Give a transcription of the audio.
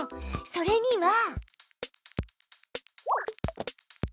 それには。